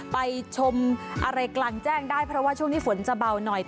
ไปชมอะไรกลางแจ้งได้เพราะว่าช่วงนี้ฝนจะเบาหน่อย